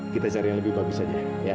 kita cari yang lebih bagus saja